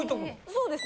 そうです。